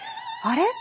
あれ？